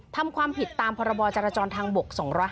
ทำความผิดตามพรบจรจรทางบก๒๕